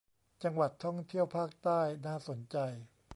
จังหวัดท่องเที่ยวภาคใต้น่าสนใจ